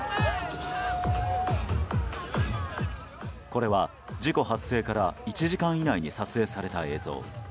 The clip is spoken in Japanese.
これは事故発生から１時間以内に撮影された映像。